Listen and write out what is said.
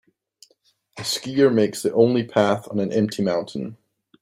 A skier makes the only path on an empty mountain.